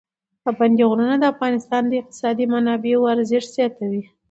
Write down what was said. پابندی غرونه د افغانستان د اقتصادي منابعو ارزښت زیاتوي.